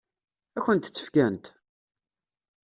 Ad kent-tt-fkent?